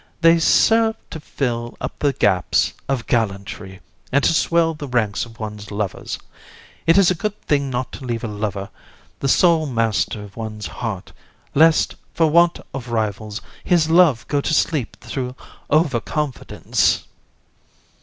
They serve to fill up the gaps of gallantry, and to swell the ranks of one's lovers. It is a good thing not to leave a lover the sole master of one's heart, lest, for want of rivals, his love go to sleep through over confidence.